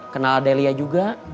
kenal adelia juga